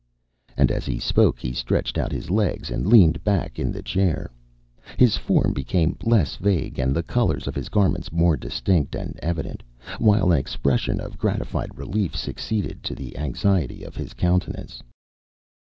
And as he spoke he stretched out his legs, and leaned back in the chair. His form became less vague, and the colors of his garments more distinct and evident, while an expression of gratified relief succeeded to the anxiety of his countenance.